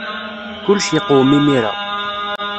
Kullec yeqwem imir-a.